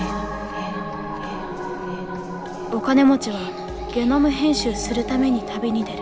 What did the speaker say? お金持ちはゲノム編集するために旅に出る。